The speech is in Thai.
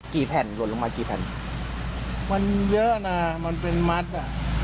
กี่แผ่นหล่นลงมากี่แผ่นมันเยอะน่ะมันเป็นมัดอ่ะ